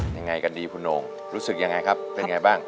ยังไงกันดีคุณโน่งรู้สึกยังไงครับเป็นไงบ้าง